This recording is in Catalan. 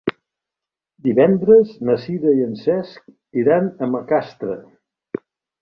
Divendres na Sira i en Cesc iran a Macastre.